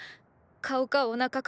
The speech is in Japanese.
“顔かお腹か”